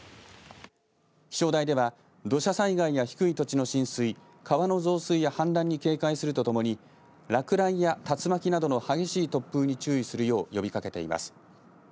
気象台では土砂災害や低い土地の浸水川の増水や氾濫に警戒するとともに落雷や竜巻などの激しい突風に注意するよう呼びかけています。